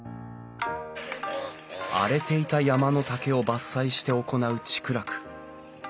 荒れていた山の竹を伐採して行う竹楽。